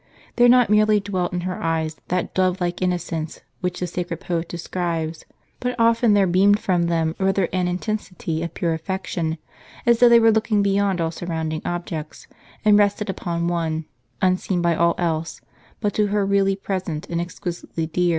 There not merely dwelt in her eyes that dove like innocence which the sacred poet describes,* but often there beamed from them rather an intensity of pure affection, as though they were looking be yond all surrounding objects, and rested upon one, unseen by all else, but to her really present and exquisitely dear.